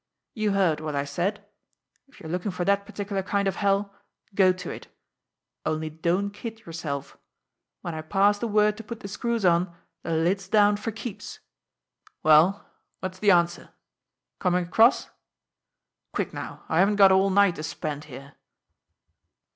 You heard what I said. If you're looking for that particular kind of hell, go to it. Only don't kid yourself. When I pass the word to put the screws on, the lid's down for keeps. Well, what's the answer? Coming across? Quick now! I haven't got all night to spend here!"